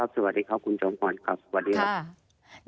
สวัสดีครับคุณจอมขวัญครับสวัสดีครับ